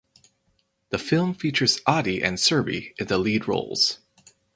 The film features Aadi and Surbhi in the lead roles.